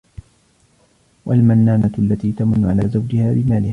وَالْمَنَّانَةُ الَّتِي تَمُنُّ عَلَى زَوْجِهَا بِمَالِهَا